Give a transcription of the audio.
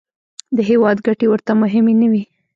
د هېواد ګټې ورته مهمې نه وې.